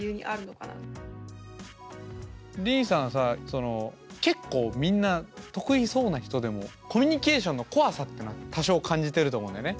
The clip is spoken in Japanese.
その結構みんな得意そうな人でもコミュニケーションの怖さっていうのは多少感じてると思うんだよね